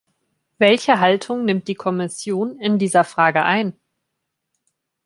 Welche Haltung nimmt die Kommission in dieser Frage ein?